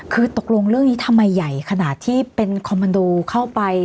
คือตกลงเรื่องนี้ทำไมใหญ่ขนาดที่เป็นคอมมันโดเข้าไป